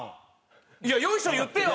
いや「よいしょ」言ってよ！